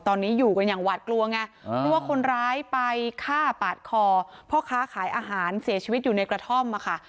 ตอนนี้อยู่กันอย่างหวาดกลัวไงเพราะว่าคนร้ายไปฆ่าปาดคอพ่อค้าขายอาหารเสียชีวิตอยู่ในกระท่อมอะค่ะ